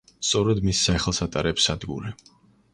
სწორედ მის სახელს ატარებს სადგური.